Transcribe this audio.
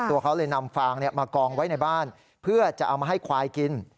ตัวเขาเลยนำฟางมากองไว้ในบ้านเพื่อจะเอามาให้ควายกิน